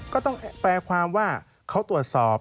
ก็ต้องแปลความว่าเขาตรวจสอบ